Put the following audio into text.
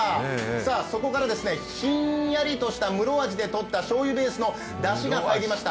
そこから、ひんやりとしたムロアジでとったしょうゆベースのだしが入りました。